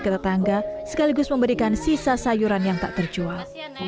ketetangga sekaligus memberikan sisa sayuran yang tak terjual